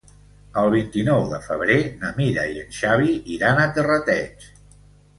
El vint-i-nou de febrer na Mira i en Xavi iran a Terrateig.